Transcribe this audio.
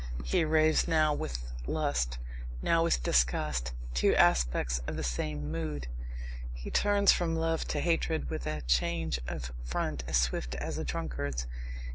He raves now with lust, now with disgust two aspects of the same mood. He turns from love to hatred with a change of front as swift as a drunkard's.